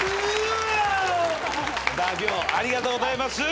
ありがとうございます。